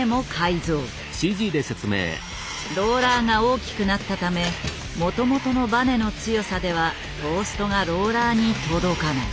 ローラーが大きくなったためもともとのバネの強さではトーストがローラーに届かない。